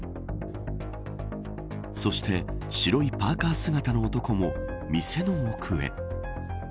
そして白いパーカ姿の男も店の奥へ。